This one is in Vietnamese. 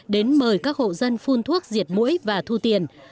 đến mời các hộ dân phun thuốc diệt mũi và thu tiền